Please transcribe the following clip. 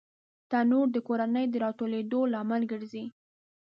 تنور د کورنۍ د راټولېدو لامل ګرځي